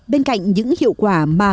bên cạnh những hiệu quả mạnh